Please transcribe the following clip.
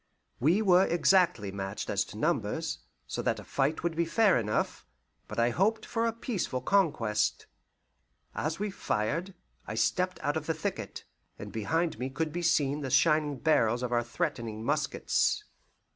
We were exactly matched as to numbers, so that a fight would be fair enough, but I hoped for peaceful conquest. As we fired I stepped out of the thicket, and behind me could be seen the shining barrels of our threatening muskets.